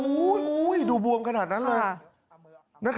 โอ้โหดูบวมขนาดนั้นเลย